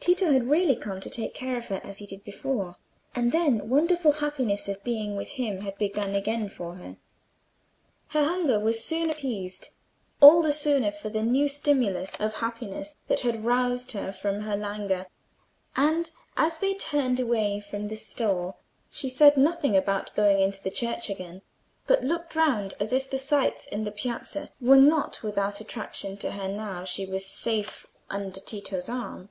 Tito had really come to take care of her, as he did before, and that wonderful happiness of being with him had begun again for her. Her hunger was soon appeased, all the sooner for the new stimulus of happiness that had roused her from her languor, and, as they turned away from the stall, she said nothing about going into the church again, but looked round as if the sights in the piazza were not without attraction to her now she was safe under Tito's arm.